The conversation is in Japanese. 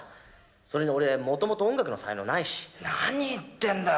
それに俺元々音楽の才能ないし何言ってんだよ